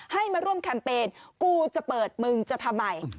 ให้มาร่วมแคมเปญกูจะเปิดมึงจะทำไม